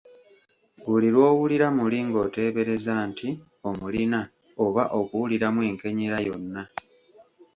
Buli lw’owulira muli ng’oteebereza nti omulina oba okuwuliramu enkenyera yonna.